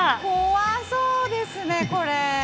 怖そうですね、これ。